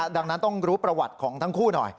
ดังนั้นต้องรู้ประวัติของทั้งคู่หน่อย